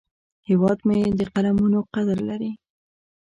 هیواد مې د قلمونو قدر لري